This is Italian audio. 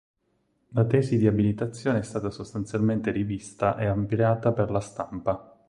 La tesi di abilitazione è stata sostanzialmente rivista e ampliata per la stampa.